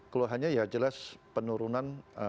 keluhannya ya jelas penurunan